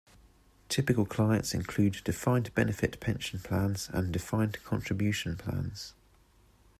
Typical clients include Defined benefit pension plans and Defined contribution plans.